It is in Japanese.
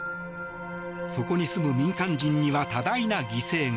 そこに住む民間人には多大な犠牲が。